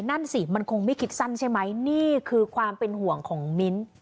นั่นสิมันคงไม่คิดสั้นใช่ไหมนี่คือความเป็นห่วงของมิ้น